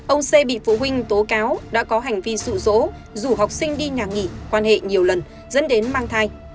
ông c bị phụ huynh tố cáo đã có hành vi sử dỗ rủ học sinh đi nhà nghỉ quan hệ nhiều lần dẫn đến mang thai